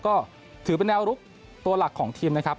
ก็ถือเป็นแนวลุกตัวหลักของทีมนะครับ